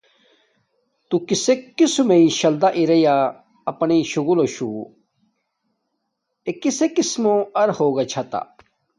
تو کی قسم مݵ شلدا اریا اپانݵ شوگولوشو اے کسکس موہ ار ہوگا چھاتہ